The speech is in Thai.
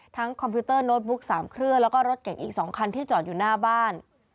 คอมพิวเตอร์โน้ตบุ๊ก๓เครื่องแล้วก็รถเก่งอีก๒คันที่จอดอยู่หน้าบ้าน